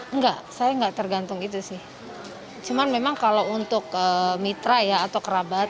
enggak saya enggak tergantung itu sih cuman memang kalau untuk mitra ya atau kerabat